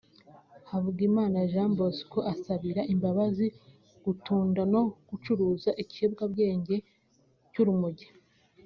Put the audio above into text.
Hagumimana Jean Bosco asabira imbabazi gutunda no gucuruza ikiyobyabwenge cy’urumogi